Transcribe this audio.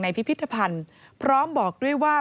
พิพิธภัณฑ์พร้อมบอกด้วยว่า